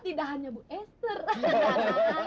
tidak hanya bu esther